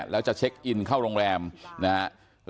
แล้วจะเช็คอินเข้าโรงแรมนะครับ